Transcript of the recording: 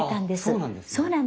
そうなんです。